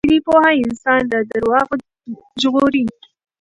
ریښتینې پوهه انسان له درواغو ژغوري.